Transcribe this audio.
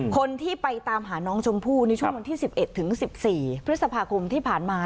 คนที่ไปตามหาน้องชมพู่ในช่วงวันที่๑๑ถึง๑๔พฤษภาคมที่ผ่านมา